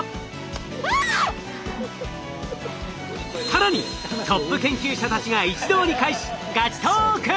更にトップ研究者たちが一堂に会しガチトーク！